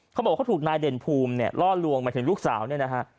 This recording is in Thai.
เขาบอกเขาถูกนายเด่นภูมิเนี่ยล่อลวงมาถึงลูกสาวเนี่ยนะฮะ